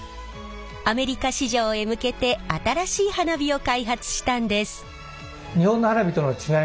アメリカ市場へ向けて新しい花火を開発したんです。